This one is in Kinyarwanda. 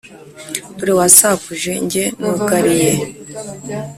Dore wasakuje jye nugaliye